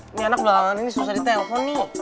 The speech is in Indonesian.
ini anak belakangan ini susah di telepon nih